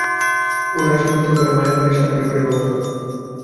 ওনারা সীমান্তের ওপারে, মায়ানমারের শান পরিবারের বংশধর।